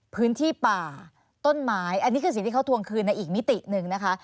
พื้นที่ป่าต้นไม้อันนี้คือสิ่งที่เขาทวงคืนในอีกมิติหนึ่งนะคะ